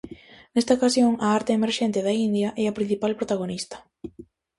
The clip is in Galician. Nesta ocasión, a arte emerxente da India é a principal protagonista.